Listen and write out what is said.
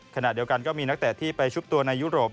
ขณะเดียวกันก็มีนักเตะที่ไปชุบตัวในยุโรป